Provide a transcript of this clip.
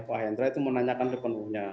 pak hendra itu menanyakan sepenuhnya